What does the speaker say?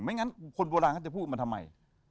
งั้นคนโบราณเขาจะพูดมาทำไม